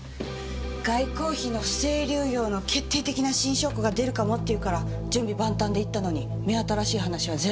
外交費の不正流用の決定的な新証拠が出るかもっていうから準備万端で行ったのに目新しい話はゼロ。